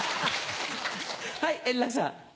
はい円楽さん。